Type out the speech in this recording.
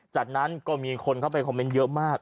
จากนั้นก็มีคนเข้าไปคอมเมนต์เยอะมาก